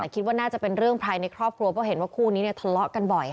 คิดว่าน่าจะเป็นเรื่องภายในครอบครัวเพราะเห็นว่าคู่นี้ทะเลาะกันบ่อย